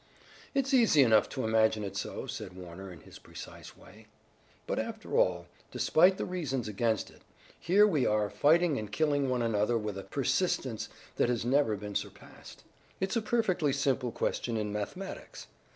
"It's easy enough to imagine it so," said Warner in his precise way, "but after all, despite the reasons against it, here we are fighting and killing one another with a persistence that has never been surpassed. It's a perfectly simple question in mathematics.